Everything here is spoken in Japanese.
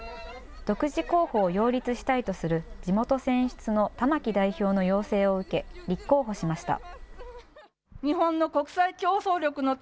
独自候補を擁立したいとする地元選出の玉木代表の要請を受け、立候補しました。